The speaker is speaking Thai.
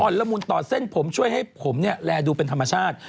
ละมุนต่อเส้นผมช่วยให้ผมเนี่ยแลดูเป็นธรรมชาติ